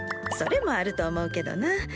それもあると思うけどな。